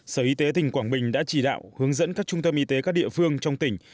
sở y tế tỉnh quảng bình đã chỉ đạo hướng dẫn các trung tâm y tế các địa phương trong tỉnh